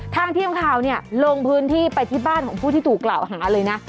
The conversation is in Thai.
ทางทีมข่าวเนี่ยลงพื้นที่ไปที่บ้านของผู้ที่ถูกกล่าวหาเลยนะ